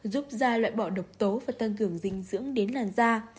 giúp da loại bỏ độc tố và tăng cường dinh dưỡng đến làn da